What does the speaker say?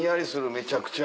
めちゃくちゃ。